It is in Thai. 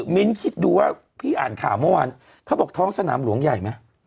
มิ้นคิดดูว่าพี่อ่านข่าวเมื่อวานเขาบอกท้องสนามหลวงใหญ่ไหม